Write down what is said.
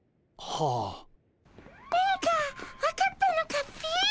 何か分かったのかっピ？